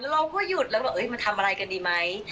เราก็หยุดแล้วก็มาทำอะไรกันดีไหม